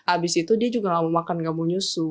abis itu dia juga gak mau makan gak mau nyusu